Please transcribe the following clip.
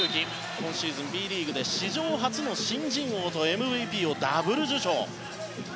今シーズンＢリーグで史上初の新人王とＭＶＰをダブル受賞。